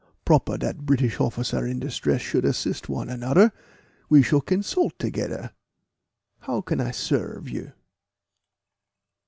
"Proper dat British hofficer in distress should assist one anoder we shall consult togeder. How can I serve you?"